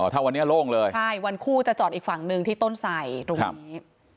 ถ้าวันนี้โล่งเลยใช่วันคู่จะจอดอีกฝั่งหนึ่งที่ต้นใส่ตรงนี้